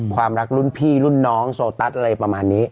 ความรักรุ่นพี่รุ่นน้องโซตัสอะไรประมาณนี้